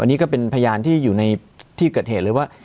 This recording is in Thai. อันนี้ก็เป็นพยานที่อยู่ในที่เกิดเหตุเลยว่า